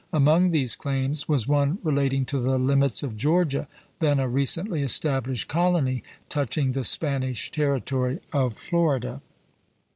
Among these claims was one relating to the limits of Georgia, then a recently established colony, touching the Spanish territory of Florida.